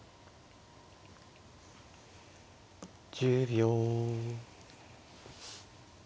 １０秒。